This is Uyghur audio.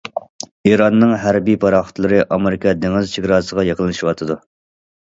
ئىراننىڭ ھەربىي پاراخوتلىرى ئامېرىكا دېڭىز چېگراسىغا يېقىنلىشىۋاتىدۇ.